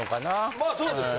まあそうですよ。